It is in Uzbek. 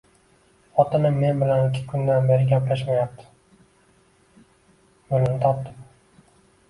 Xotinim men bilan ikki kundan beri gaplashmayapti. Yo'lini topdim